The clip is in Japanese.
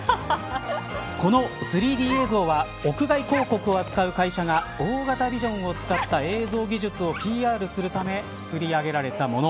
この３Ｄ映像は屋外広告を扱う会社が大型ビジョンを使った映像技術をＰＲするため作り上げられたもの。